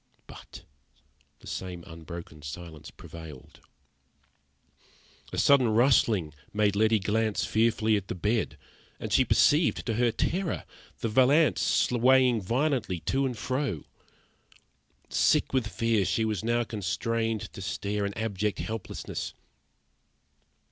But the same unbroken silence prevailed. A sudden rustling made Letty glance fearfully at the bed; and she perceived, to her terror, the valance swaying violently, to and fro. Sick with fear, she was now constrained to stare in abject helplessness.